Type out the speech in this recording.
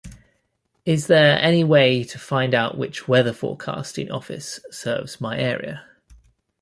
Is there any way to find out which Weather Forecasting Office serves my area?